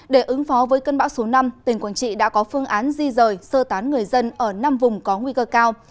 để ứng phó với cơn bão số năm tỉnh quảng trị đã có phương án di rời sơ tán người dân ở năm vùng có nguy cơ cao